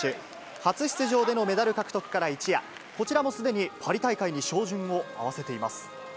初出場でのメダル獲得から一夜、こちらもすでにパリ大会に照準を合わせています。